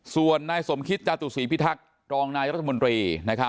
ส่วนนายสมคิตจาตุศีพิทักษ์รองนายรัฐมนตรี